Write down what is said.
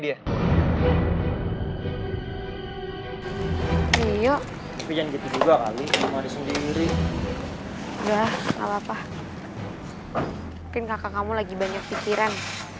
rio lebih jangan gitu juga kali sama sendiri udah nggak apa apa kek kamu lagi banyak pikiran